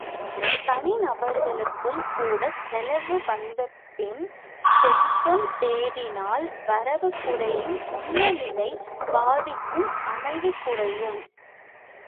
தனி நபர்களுக்கும் கூடச் செலவு வந்தபின் செல்வம் தேடினால் வரவு குறையும் உள்ள நிலை பாதிக்கும் அமைதி குறையும்.